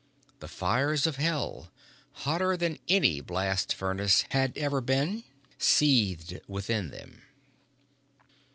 The fires of hell, hotter than any blast furnace had ever been, seethed within them.